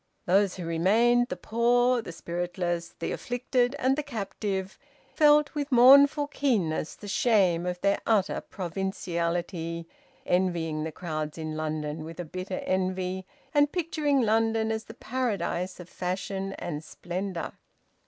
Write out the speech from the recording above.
Those who remained, the poor, the spiritless, the afflicted, and the captive, felt with mournful keenness the shame of their utter provinciality, envying the crowds in London with a bitter envy, and picturing London as the paradise of fashion and splendour.